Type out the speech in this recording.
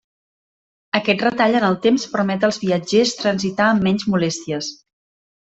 Aquest retall en el temps permet als viatgers transitar amb menys molèsties.